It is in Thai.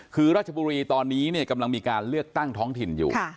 คือราชบุรีตอนนี้กำลังมีการเลือกตั้งท้องถิ่นอยู่